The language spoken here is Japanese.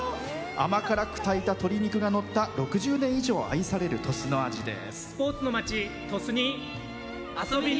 甘辛く炊いた鶏肉がのった６０年以上愛される鳥栖の味です。